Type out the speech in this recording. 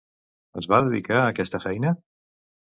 Es va dedicar a aquesta feina?